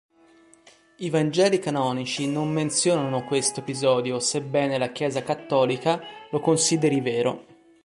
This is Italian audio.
I Vangeli canonici non menzionano questo episodio, sebbene la Chiesa cattolica lo consideri vero.